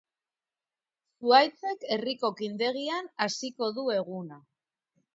Zuhaitzek herriko okindegian hasiko du eguna.